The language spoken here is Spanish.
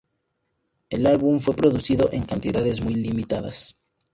El álbum fue producido en cantidades muy limitadas.